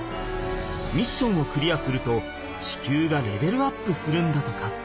ミッションをクリアすると地球がレベルアップするんだとか。